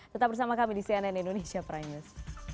tetap bersama kami di cnn indonesia prime news